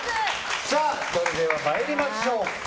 それでは、参りましょう。